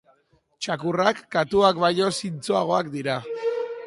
Txakurrak katuak baino zintzoagoak dira